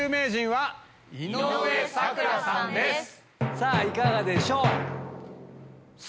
さぁいかがでしょう？